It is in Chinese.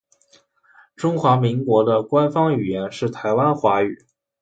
中华民国的官方语言是台湾华语。